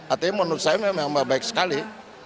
artinya menurut saya memang baik sekali